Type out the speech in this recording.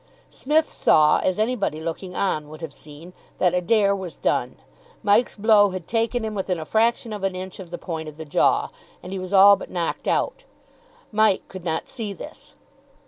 Psmith saw, as anybody looking on would have seen, that Adair was done. Mike's blow had taken him within a fraction of an inch of the point of the jaw, and he was all but knocked out. Mike could not see this.